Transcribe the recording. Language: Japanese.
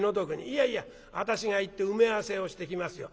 いやいや私が行って埋め合わせをしてきますよ。